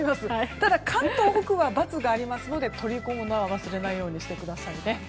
ただ関東北部は×があるので取り込むのを忘れないようにしてください。